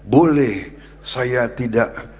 boleh saya tidak